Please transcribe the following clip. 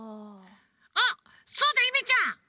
あっそうだゆめちゃん